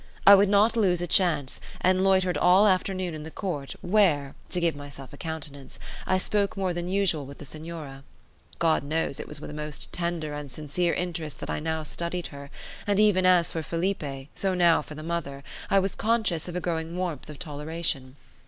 I would not lose a chance, and loitered all afternoon in the court where (to give myself a countenance) I spoke more than usual with the Senora. God knows it was with a most tender and sincere interest that I now studied her; and even as for Felipe, so now for the mother, I was conscious of a growing warmth of toleration.